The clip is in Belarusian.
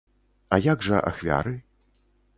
А як жа ахвяры?